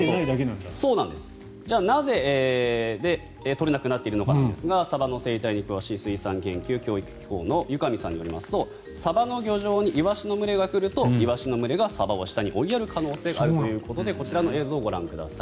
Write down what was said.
じゃあ、なぜ取れなくなっているのかですがサバの生態に詳しい水産研究・教育機構の由上さんによるとサバの漁場にイワシの群れが来るとイワシの群れがサバを下に追いやる可能性があるということでこちらの映像をご覧ください。